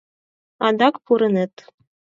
— Адак пурынет.